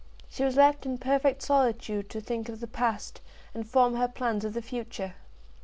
She was left in perfect solitude to think of the past, and form her plans of the future.